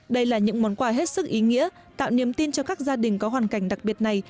đây là những món quà hết sức ý nghĩa tạo niềm tin cho các gia đình có hoàn cảnh đặc biệt này